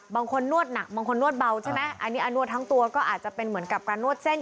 นวดหนักบางคนนวดเบาใช่ไหมอันนี้นวดทั้งตัวก็อาจจะเป็นเหมือนกับการนวดเส้น